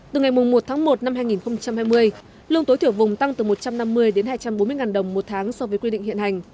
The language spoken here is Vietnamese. từ ngày một tháng một năm hai nghìn hai mươi lương tối thiểu vùng tăng từ một trăm năm mươi đến hai trăm bốn mươi đồng một tháng so với quy định hiện hành